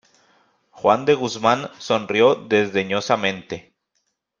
juan de Guzmán sonrió desdeñosamente: